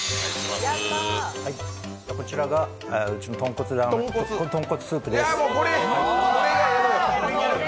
こちらがうちの豚骨スープです。